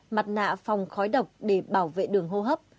mặt nạ phòng khói độc để bảo vệ đường hô hấp